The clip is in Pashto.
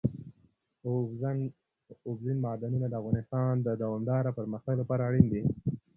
اوبزین معدنونه د افغانستان د دوامداره پرمختګ لپاره اړین دي.